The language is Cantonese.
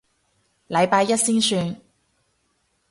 禮拜一先算